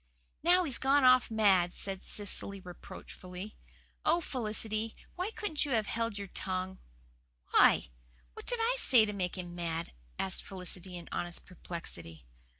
"Now he's gone off mad," said Cecily reproachfully. "Oh, Felicity, why couldn't you have held your tongue?" "Why, what did I say to make him mad?" asked Felicity in honest perplexity.